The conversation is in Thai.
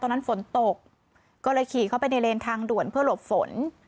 ตอนนั้นฝนตกก็เลยขี่เข้าไปในเลนทางด่วนเพื่อหลบฝน